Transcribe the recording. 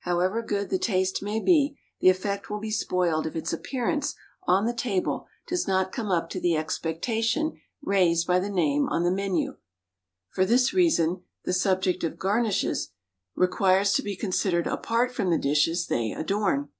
However good the taste may be, the effect will be spoiled if its appearance on the table does not come up to the expectation raised by the name on the menu. For this reason the subject of garnishes requires to be considered apart from the dishes they adorn.